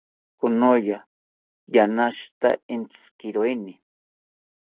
Konoya ranashita entzikiroini